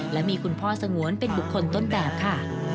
และมีคุณพ่อสงวนเป็นบุคคลต้นแบบค่ะ